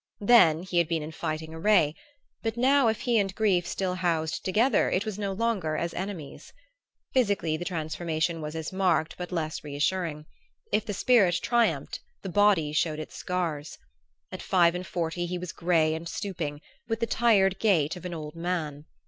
Then he had been in fighting array, but now if he and grief still housed together it was no longer as enemies. Physically the transformation was as marked but less reassuring. If the spirit triumphed the body showed its scars. At five and forty he was gray and stooping, with the tired gait of an old man.